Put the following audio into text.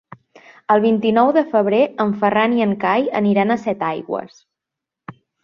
El vint-i-nou de febrer en Ferran i en Cai aniran a Setaigües.